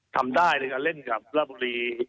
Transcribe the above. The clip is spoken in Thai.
ทำได้ในการเล่นกับราบุรี